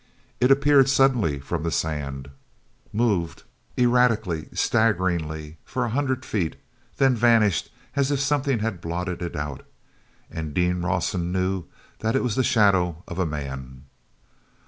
It appeared suddenly from the sand, moved erratically, staggeringly, for a hundred feet, then vanished as if something had blotted it out—and Dean Rawson knew that it was the shadow of a man.